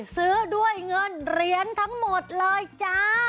ซื้อด้วยเงินเหรียญทั้งหมดเลยจ้า